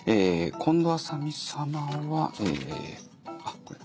近藤麻美様はあっこれだ。